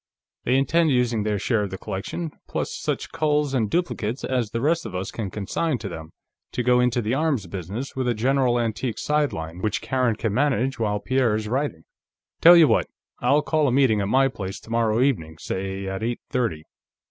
They intend using their share of the collection, plus such culls and duplicates as the rest of us can consign to them, to go into the arms business, with a general antique sideline, which Karen can manage while Pierre's writing.... Tell you what; I'll call a meeting at my place tomorrow evening, say at eight thirty.